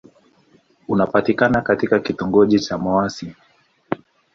Unapatikana katika kitongoji cha Mouassine.